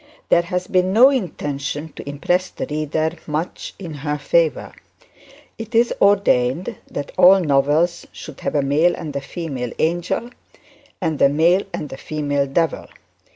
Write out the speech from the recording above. There has been no intention to impress the reader much in her favour. It is ordained that all novels should have a male and female angel, and a male and female devil.